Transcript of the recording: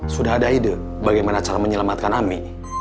sudah ada ide bagaimana cara menyelamatkan ami